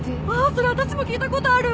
それわたしも聞いたことある！